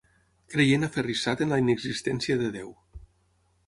Creient aferrissat en la inexistència de Déu.